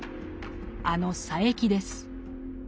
あの佐柄木です。